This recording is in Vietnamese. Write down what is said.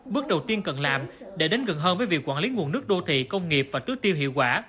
bước đầu tiên cần làm để đến gần hơn với việc quản lý nguồn nước đô thị công nghiệp và tứ tiêu hiệu quả